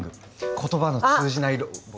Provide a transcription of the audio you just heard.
言葉の通じないロボ。